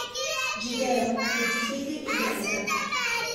Gideon è di fede ebraica.